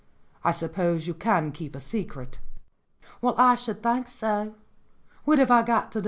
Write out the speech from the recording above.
I sup pose you can keep a secret." "Well, I should think so. What have I got to do?"